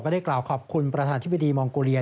ได้กล่าวขอบคุณประธานธิบดีมองโกเลีย